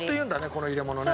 この入れ物ね。